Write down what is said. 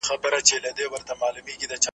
دا زوی مړې بله ورځ به کله وي .